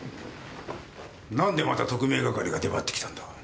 何でまた特命係が出張ってきたんだ？